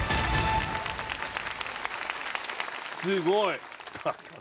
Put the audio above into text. すごい！